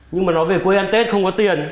nhưng mà nó về quê ăn tết không có tiền